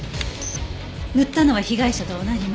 塗ったのは被害者と同じマニキュア。